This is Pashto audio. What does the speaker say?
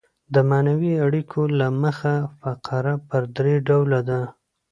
د معنوي اړیکو له مخه فقره پر درې ډوله ده.